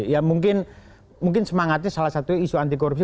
ya mungkin semangatnya salah satunya isu anti korupsi